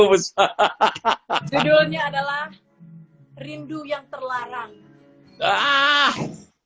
judulnya adalah rindu yang terlarang